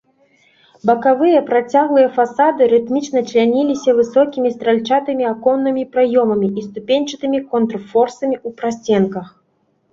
Бакавыя працяглыя фасады рытмічна чляніліся высокімі стральчатымі аконнымі праёмамі і ступеньчатымі контрфорсамі ў прасценках.